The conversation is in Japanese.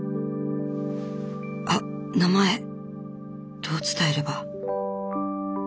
あっ名前どう伝えれば。